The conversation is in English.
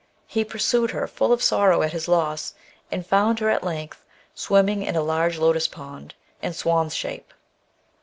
He pursued her, fall of sorrow at his loss, and found her at length swunming in a large lotus pond, in swan's shape.